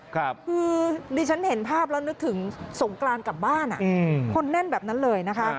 คือดิฉันเห็นภาพแล้วนึกถึงสงกรานกลับบ้านคนแน่นแบบนั้นเลยนะคะ